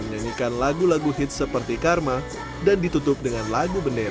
menyanyikan lagu lagu hit seperti karma dan ditutup dengan lagu bendera